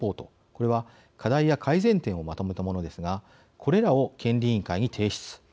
これは課題や改善点をまとめたものですがこれらを権利委員会に提出。